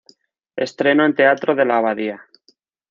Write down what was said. Estreno en Teatro de la Abadía.